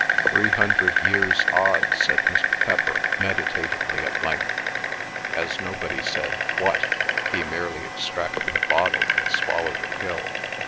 "Three hundred years odd," said Mr. Pepper meditatively at length. As nobody said, "What?" he merely extracted a bottle and swallowed a pill.